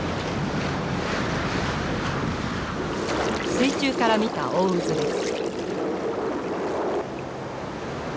水中から見た大渦です。